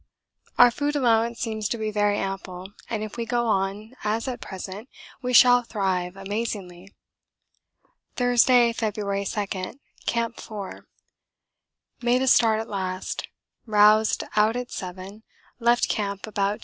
Our food allowance seems to be very ample, and if we go on as at present we shall thrive amazingly. Thursday, February 2. Camp 4. Made a start at last. Roused out at 7, left camp about 10.